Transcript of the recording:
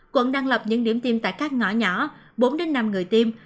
quận đang lập những điểm tiêm tại các ngõ nhỏ bốn năm người tiêm